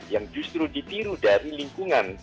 yang justru ditiru dari lingkungan